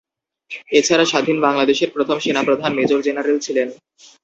এছাড়া স্বাধীন বাংলাদেশের প্রথম সেনাপ্রধান মেজর জেনারেল ছিলেন।